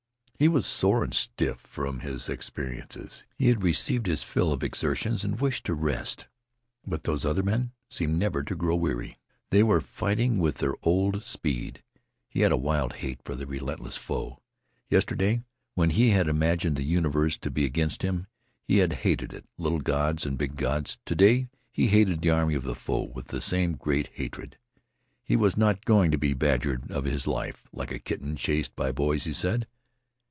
He was sore and stiff from his experiences. He had received his fill of all exertions, and he wished to rest. But those other men seemed never to grow weary; they were fighting with their old speed. He had a wild hate for the relentless foe. Yesterday, when he had imagined the universe to be against him, he had hated it, little gods and big gods; to day he hated the army of the foe with the same great hatred. He was not going to be badgered of his life, like a kitten chased by boys, he said.